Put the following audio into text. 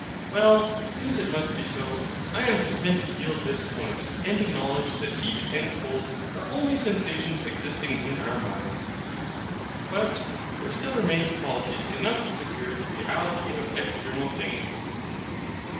Well, since it must be so, I am content to yield this point, and acknowledge that heat and cold are only sensations existing in our minds. But there still remain qualities enough to secure the reality of external things.